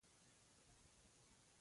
د پاخه عمر خاوندان په هر شي شک کوي.